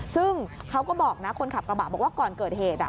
ซึ่งเขาก็บอกนะคนขับกระบะบอกว่าก่อนเกิดเหตุ